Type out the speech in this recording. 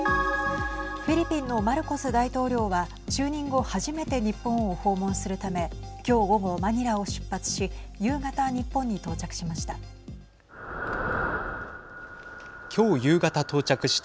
フィリピンのマルコス大統領は就任後初めて日本を訪問するため今日午後マニラを出発し夕方、日本に到着しました。